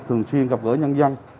thường xuyên gặp gỡ nhân dân